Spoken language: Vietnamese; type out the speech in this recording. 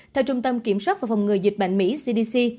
theo trung tâm kiểm soát và phòng ngừa dịch bệnh mỹ cdc